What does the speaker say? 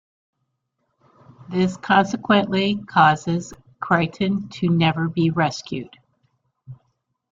This consequently causes Kryten to never be rescued.